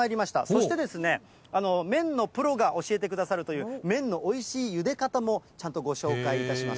そしてですね、麺のプロが教えてくださるという、麺のおいしいゆで方もちゃんとご紹介いたします。